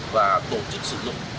và tổ chức sử dụng